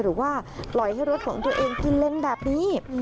หรือว่าปล่อยให้รถของตัวเองกินเลนส์แบบนี้